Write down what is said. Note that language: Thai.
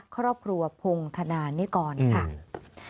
ครอบครัวพงธนานิกรค่ะ